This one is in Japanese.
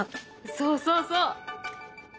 そうそうそう！